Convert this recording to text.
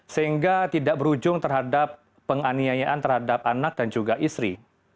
sehingga tidak berujung terhadap penganiayaan terhadap anak dan juga istri